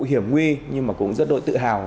hiểm nguy nhưng mà cũng rất đôi tự hào